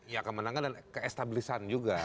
ya kemenangan dan keestablisan juga